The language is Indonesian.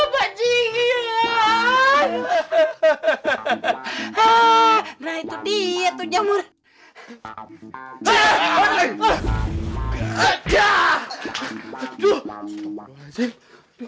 biar sih jamur makin sehat